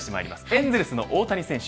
エンゼルスの大谷選手